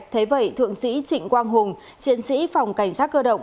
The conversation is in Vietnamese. thế vậy thượng sĩ trịnh quang hùng chiến sĩ phòng cảnh sát cơ động